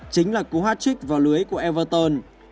chính là cú hat trick vào lưới của everton